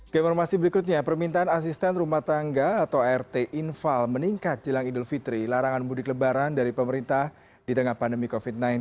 ke informasi berikutnya permintaan asisten rumah tangga atau art infal meningkat jelang idul fitri larangan mudik lebaran dari pemerintah di tengah pandemi covid sembilan belas